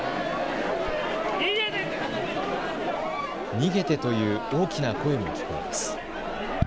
逃げてという大きな声も聞こえます。